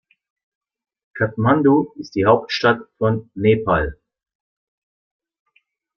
Kathmandu ist die Hauptstadt von Nepal.